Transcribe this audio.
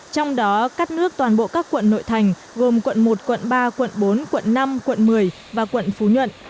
trong đó cắt nước toàn bộ các quận nội thành gồm quận một quận ba quận bốn quận năm quận một mươi và quận phú nhuận